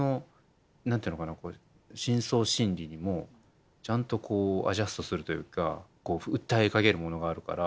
深層心理にもちゃんとアジャストするというか訴えかけるものがあるから